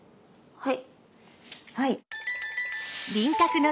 はい。